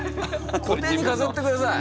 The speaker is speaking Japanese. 個展に飾ってください。